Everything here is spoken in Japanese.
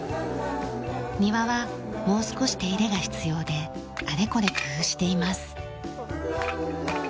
庭はもう少し手入れが必要であれこれ工夫しています。